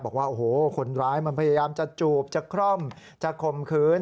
บอกว่าโอ้โหคนร้ายมันพยายามจะจูบจะคร่อมจะข่มขืน